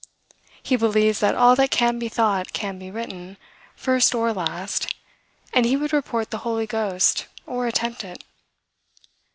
He believes that all that can be thought can be written, first or last; and he would report the Holy Ghost, or attempt it.